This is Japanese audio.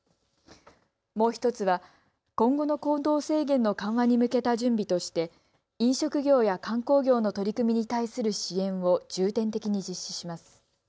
もう１つは今後の行動制限の緩和に向けた準備として飲食業や観光業の取り組みに対する支援を重点的に実施します。